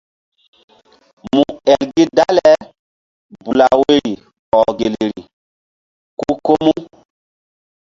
Mu el gi dale bula woyri ɔh gelri ku ko mu.